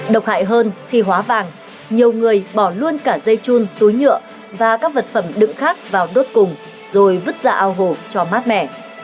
độc hại hơn khi hóa vàng nhiều người bỏ luôn cả dây chun túi nhựa và các vật phẩm đựng khác vào đốt cùng rồi vứt ra ao hồ cho mát mẻ